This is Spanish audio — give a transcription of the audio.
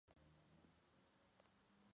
El tratamiento es más bien sintomático.